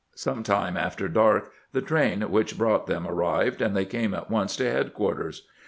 Some time after dark the train which brought them arrived, and they came at once to headquarters.